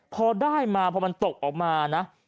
พอได้มาพอมันตกออกมานะ